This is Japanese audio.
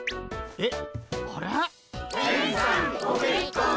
えっ？